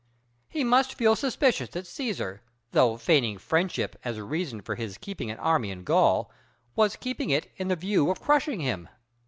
He must feel suspicious that Cæsar, though feigning friendship as the reason for his keeping an army in Gaul, was keeping it with the view of crushing him.